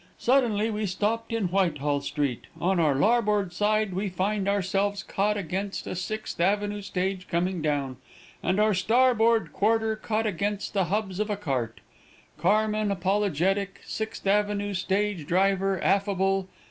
Suddenly we stopped in Whitehall street, on our larboard side we find ourselves caught against a Sixth Avenue stage coming down, and our starboard quarter caught against the hubs of a cart. Carman apologetic Sixth Avenue stage driver affable.